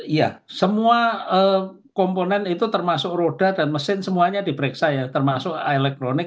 iya semua komponen itu termasuk roda dan mesin semuanya diperiksa ya termasuk elektronik